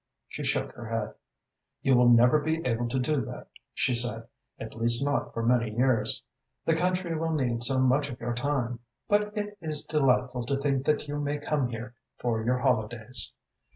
She shook her head. "You will never be able to do that," she said, "at least not for many years. The country will need so much of your time. But it is delightful to think that you may come here for your holidays."